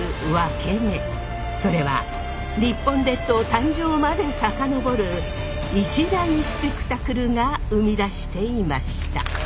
それは日本列島誕生まで遡る一大スペクタクルが生み出していました。